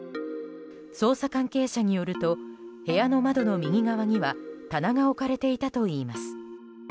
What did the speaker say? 捜査関係者によると部屋の窓の右側には棚が置かれていたといいます。